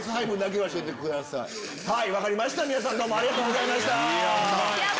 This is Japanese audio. はい分かりました皆さんどうもありがとうございました。